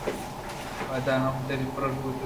پدا تو ہم دلپرٛوش بوتگے